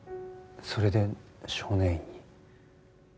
それで少年院に？